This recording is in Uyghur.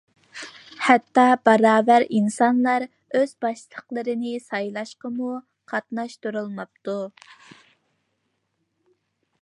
ھەتتا باراۋەر ئىنسانلار ئۆز باشلىقلىرىنى سايلاشقىمۇ قاتناشتۇرۇلماپتۇ.